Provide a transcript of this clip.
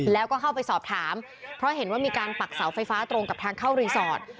แล้วก็เข้าไปสอบถามเพราะเห็นว่ามีการปักเสาไฟฟ้าตรงกับทางเข้ารีสอร์ท